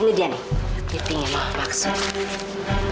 ini dia nih pimpin yang mama suka